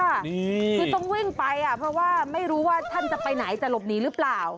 คือต้องวิ่งไปอ่ะเพราะว่าไม่รู้ว่าท่านจะไปไหนจะหลบหนีหรือเปล่า